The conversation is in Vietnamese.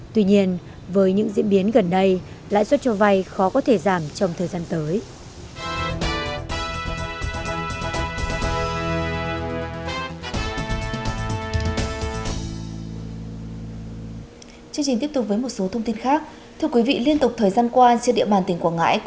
tuy nhiên với những diễn biến gần đây lãi suất cho vay khó có thể giảm trong thời gian tới